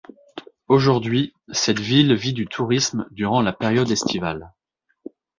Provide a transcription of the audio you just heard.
Aujourd'hui, cette ville vit du tourisme durant la période estivale.